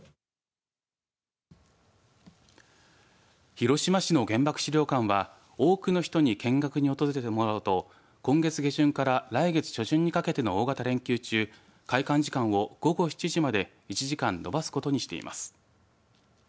広島市の原爆資料館は多くの人に見学に訪れてもらおうと今月下旬から来月初旬にかけての大型連休中開館時間を午後７時まで１時間延ばすことにしています。